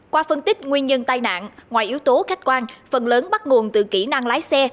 qua phân tích nguyên nhân tai nạn ngoài yếu tố khách quan phần lớn bắt nguồn từ kỹ năng lái xe